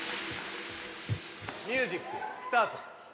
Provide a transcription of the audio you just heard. ミュージックスタート。